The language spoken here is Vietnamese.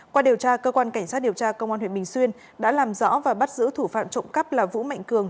qua điều tra cơ quan cảnh sát điều tra công an huyện bình xuyên đã làm rõ và bắt giữ thủ phạm trộm cắp là vũ mạnh cường